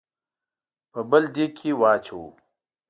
په بل دېګ کې واچوو.